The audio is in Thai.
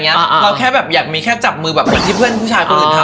เราแค่แบบอยากมีแค่จับมือแบบเหมือนที่เพื่อนผู้ชายคนอื่นทำ